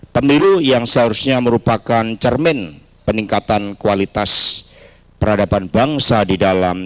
pemilu yang seharusnya merupakan cermin peningkatan kualitas peradaban bangsa di dalam